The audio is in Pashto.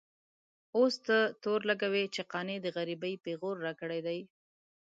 اوس ته تور لګوې چې قانع د غريبۍ پېغور راکړی دی.